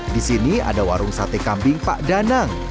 di sini ada warung sate kambing pak danang